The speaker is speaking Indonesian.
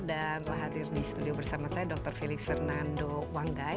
dan telah hadir di studio bersama saya dr felix fernando wanggai